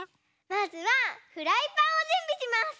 まずはフライパンをじゅんびします！